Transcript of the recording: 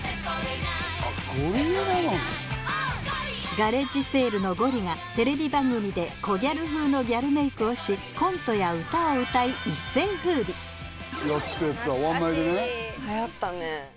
ガレッジセールのゴリがテレビ番組でコギャル風のギャルメイクをしやってたやってた「ワンナイ」でね懐かしいはやったね